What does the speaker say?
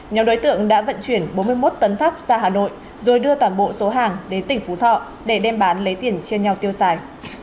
nhóm đối tượng đã vận chuyển bốn mươi một tấn thóc ra hà nội rồi đưa toàn bộ số hàng đến tỉnh phú thọ để đem bán lấy tiền chia nhau tiêu xài